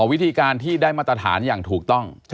วิธีการที่ได้มาตรฐานอย่างถูกต้อง